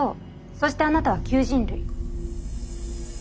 そしてあなたは旧人類。